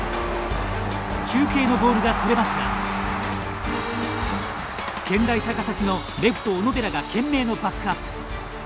中継のボールがそれますが健大高崎のレフト小野寺が懸命のバックアップ。